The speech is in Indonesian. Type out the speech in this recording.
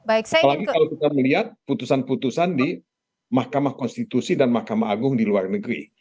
apalagi kalau kita melihat putusan putusan di mahkamah konstitusi dan mahkamah agung di luar negeri